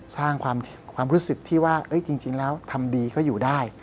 สร้างความรู้สึกที่ว่าจริงแล้วทำดีก็อยู่ได้